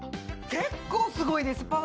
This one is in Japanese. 結構すごいです。